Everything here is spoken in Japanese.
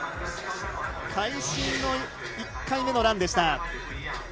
会心の１回目のランでした。